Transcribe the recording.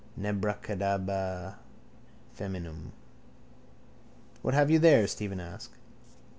Nebrakada femininum. —What have you there? Stephen asked.